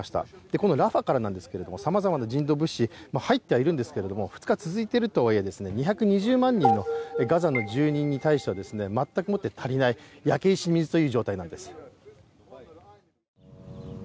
このラファからなんですけれどもさまざまな人道物資が入ってはいるんですけれども２日続いているとはいえ２２０万人のガザの住民に対しては全くもって足りない焼け石に水という状態なんです。